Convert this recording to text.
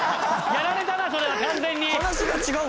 やられたなそれは完全に。